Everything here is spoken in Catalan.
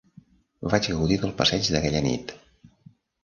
Vaig gaudir del passeig d'aquella nit.